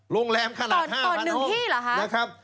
โรงแรมขนาด๕๐๐๐ห้งต่อหนึ่งที่หรอค่ะ